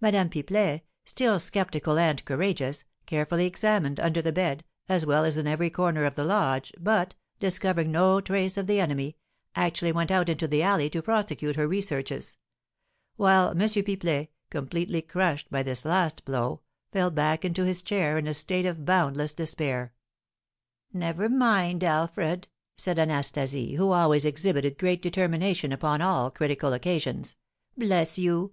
Madame Pipelet, still skeptical and courageous, carefully examined under the bed, as well as in every corner of the lodge, but, discovering no trace of the enemy, actually went out into the alley to prosecute her researches; while M. Pipelet, completely crushed by this last blow, fell back into his chair in a state of boundless despair. "Never mind, Alfred!" said Anastasie, who always exhibited great determination upon all critical occasions. "Bless you!